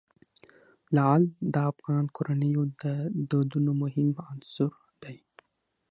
لعل د افغان کورنیو د دودونو مهم عنصر دی.